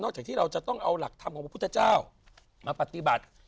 จากที่เราจะต้องเอาหลักธรรมของพระพุทธเจ้ามาปฏิบัติ